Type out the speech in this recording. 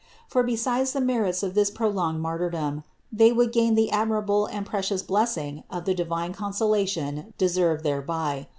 For besides the merits of this prolonged martyrdom they would gain the admirable and precious blessing of the divine consolation deserved thereby.